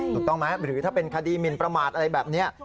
ถูกต้องไหมหรือถ้าเป็นคดีหมินประมาทอะไรแบบนี้